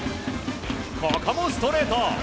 ここもストレート！